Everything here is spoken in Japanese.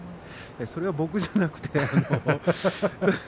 それは僕じゃなくて。